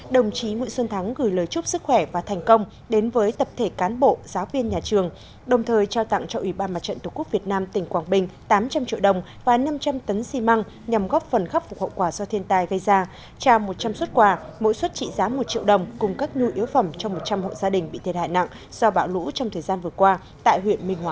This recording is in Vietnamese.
đồng chí nguyễn xuân thắng bí thư trung ương đảng giám đốc học viện chính trị quốc gia hồ chí minh